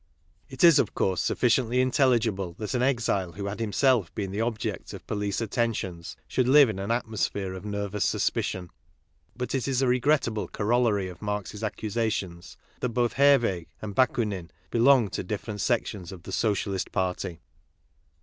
It is, of course. 20 KARL MARX sufficiently intelligible that an exile who had himself been the object of police attentions should live in an atmosphere of nervous suspicion ; but it is a regrettable corollary of Marx's accusations that both Herwegh and Bakunin belonged to different sections of the Socialist party.